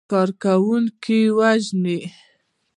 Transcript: کارکوونکي وژني.